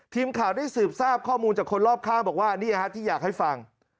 ทีมข่าวได้สืบทราบข้อมูลจากคนรอบข้างบอกว่านี่ฮะที่อยากให้ฟัง